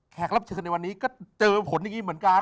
รับเชิญในวันนี้ก็เจอผลอย่างนี้เหมือนกัน